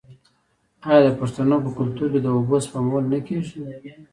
آیا د پښتنو په کلتور کې د اوبو سپمول نه کیږي؟